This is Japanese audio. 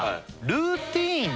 ルーティン